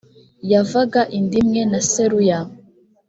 yavaga inda imwe na seruya